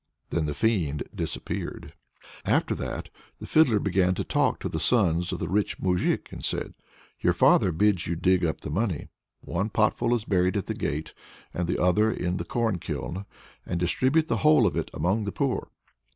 Then the fiend disappeared. After that, the Fiddler began to talk to the sons of the rich moujik, and said: "Your father bids you dig up the money one potful is buried at the gate and the other in the corn kiln and distribute the whole of it among the poor."